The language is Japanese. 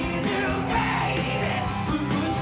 福島！